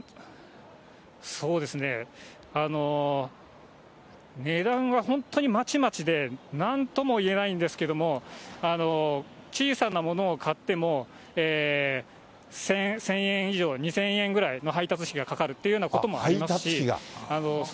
そうですね、値段は本当にまちまちでなんとも言えないんですけれども、小さなものを買っても１０００円以上、２０００円ぐらいの配達費がかかるというようなこともありますし。